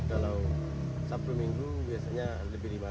kalau sabtu minggu biasanya lebih lima ratus orang